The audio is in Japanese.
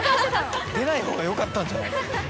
出ない方がよかったんじゃない？